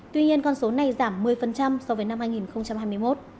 tuy nhiên con số này giảm một mươi so với năm hai nghìn hai mươi một